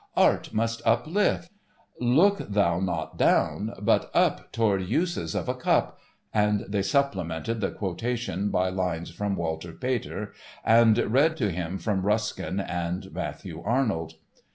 "Art must uplift. 'Look thou not down, but up toward uses of a cup';" and they supplemented the quotation by lines from Walter Peter, and read to him from Ruskin and Matthew Arnold.